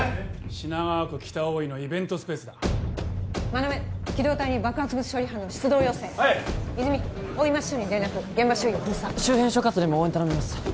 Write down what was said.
品川区北大井のイベントスペースだ馬目機動隊に爆発物処理班の出動要請はい泉大井町署に連絡現場周囲を封鎖周辺所轄にも応援頼みます